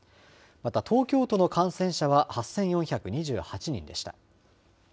また東京都の感染者は８４２８人でした。